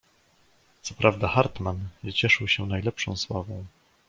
"Co prawda, Hartmann nie cieszył się najlepszą sławą."